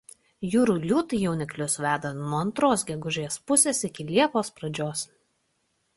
Jūrų liūtai jauniklius veda nuo antros gegužės pusės iki liepos pradžios.